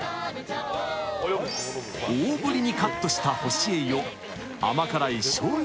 大ぶりにカットしたホシエイを甘辛いしょうゆ